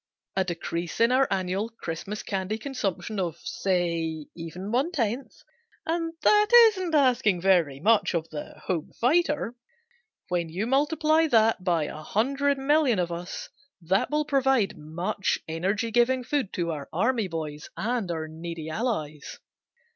A decrease in our annual Christmas candy consumption of, say, even one tenth (and that isn't asking very much of the "home fighter"), when multiplied by 100,000,000 of us will provide much energy giving food to our army boys and our needy allies.